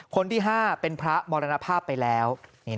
คนที่๕เป็นพระมรณภาพไปแล้ว